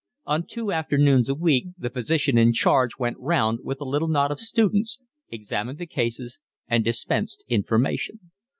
On two afternoons a week the physician in charge went round with a little knot of students, examined the cases, and dispensed information.